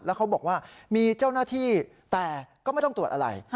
แล้วเขาบอกว่ามีเจ้าหน้าที่แต่ก็ไม่ต้องตรวจอะไร